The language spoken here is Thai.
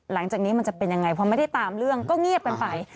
หลังจากนี้มันจะเป็นยังไงพอไม่ได้ตามเรื่องก็เงียบกันไป